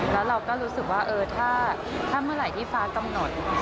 แล้วเราก็รู้สึกว่าถ้าเมื่อไหร่ที่ฟ้ากำหนด